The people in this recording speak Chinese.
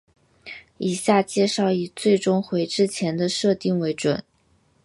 以下介绍以最终回之前的设定为准。